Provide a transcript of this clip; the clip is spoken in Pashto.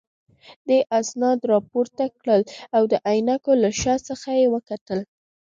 دې اسناد راپورته کړل او د عینکو له شا څخه یې ورته وکتل.